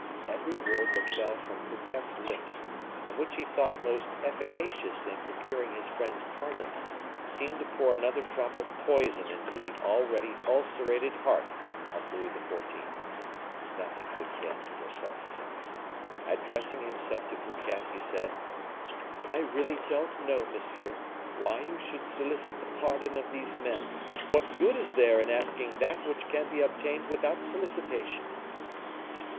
Every word that fell from Fouquet's lips, and which he thought most efficacious in procuring his friend's pardon, seemed to pour another drop of poison into the already ulcerated heart of Louis XIV. Nothing could bend or soften him. Addressing himself to Fouquet, he said, "I really don't know, monsieur, why you should solicit the pardon of these men. What good is there in asking that which can be obtained without solicitation?"